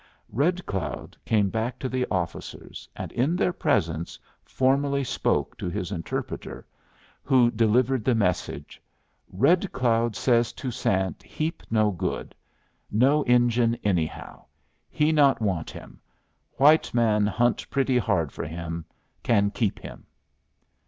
Red Cloud came back to the officers, and in their presence formally spoke to his interpreter, who delivered the message: "Red Cloud says Toussaint heap no good. No Injun, anyhow. He not want him. White man hunt pretty hard for him. Can keep him."